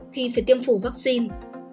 thì phải tiêm phủ vaccine